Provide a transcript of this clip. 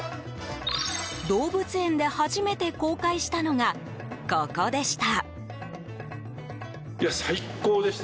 動物園で初めて公開したのがここでした。